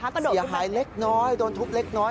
เสียหายเล็กน้อยโดนทุบเล็กน้อย